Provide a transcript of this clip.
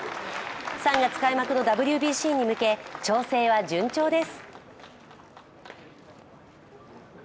３月開幕のＷＢＣに向け調整は順調です。